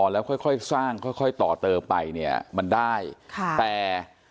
แล้วค่อยสร้างค่อยต่อเติมไปเนี่ยมันได้ค่ะแต่